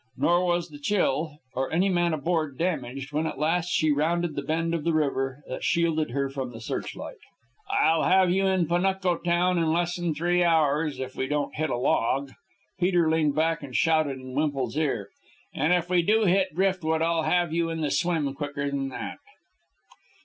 Nor was the Chill or any man aboard damaged when at last she rounded the bend of river that shielded her from the searchlight. "I'll have you in Panuco town in less'n three hours, ... if we don't hit a log," Peter leaned back and shouted in Wemple's ear. "And if we do hit driftwood, I'll have you in the swim quicker than that."